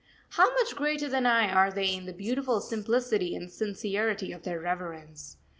How much greater than I are they in the beautiful simplicity and sincerity of their reverence.